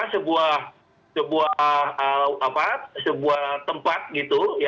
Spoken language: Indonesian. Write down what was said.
sebuah tempat gitu